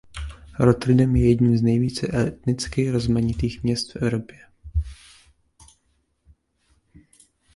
Rotterdam je jedním z nejvíce etnicky rozmanitých měst v Evropě.